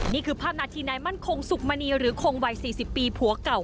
นี่คือภาพนาทีนายมั่นคงสุขมณีหรือคงวัย๔๐ปีผัวเก่า